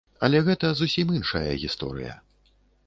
Але гэта зусім іншая гісторыя.